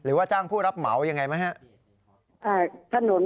หรือว่าจ้างผู้รับเหมาอย่างไรไหมครับ